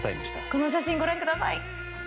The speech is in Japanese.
この写真ご覧ください。